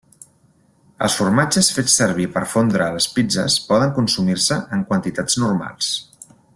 Els formatges fets servir per fondre a les pizzes poden consumir-se en quantitats normals.